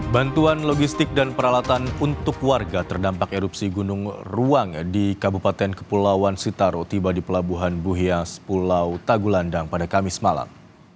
bantuan logistik dan peralatan untuk warga terdampak erupsi gunung ruang di kabupaten kepulauan sitaro tiba di pelabuhan buhias pulau tagulandang pada kamis malam